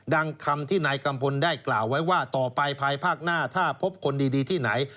คำที่นายกัมพลได้กล่าวไว้ว่าต่อไปภายภาคหน้าถ้าพบคนดีที่ไหน